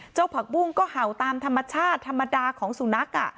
ผักบุ้งก็เห่าตามธรรมชาติธรรมดาของสุนัข